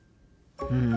うん。